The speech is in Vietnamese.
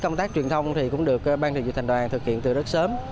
công tác truyền thông cũng được ban thị trường thành đoàn thực hiện từ rất sớm